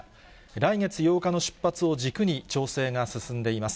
来月８日の出発を軸に調整が進んでいます。